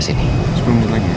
hai selangkah lagi